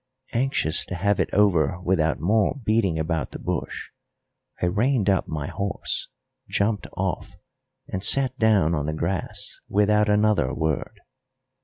Anxious to have it over without more beating about the bush, I reined up my horse, jumped off, and sat down on the grass without another word.